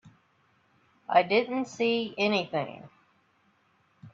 I didn't see anything.